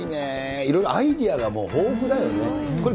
いろいろアイデアがもう豊富だよね。